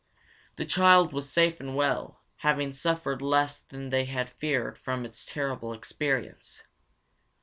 The child was safe and well, having suffered less than they had feared from its terrible experience.